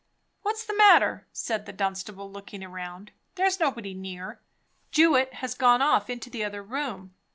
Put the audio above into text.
"What's the matter?" said the Dunstable, looking round. "There's nobody near. Jewett has gone off into the other room.